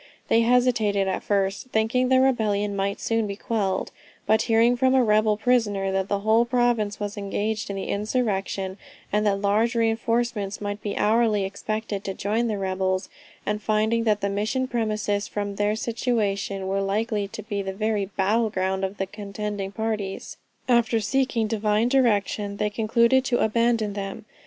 They hesitated at first, thinking the rebellion might soon be quelled; but hearing from a rebel prisoner that the whole province was engaged in the insurrection, and that large reinforcements might be hourly expected to join the rebels, and finding that the Mission premises from their situation, were likely to be the very battleground of the contending parties, after seeking Divine direction, they concluded to abandon them.